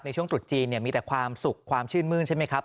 ช่วงตรุษจีนมีแต่ความสุขความชื่นมื้นใช่ไหมครับ